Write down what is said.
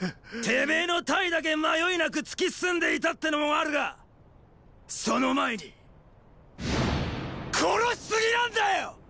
てめェの隊だけ迷いなく突き進んでいたってのもあるがその前に殺しすぎなんだよ！！